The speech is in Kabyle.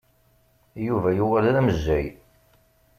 Yuba yuɣal d amejjay.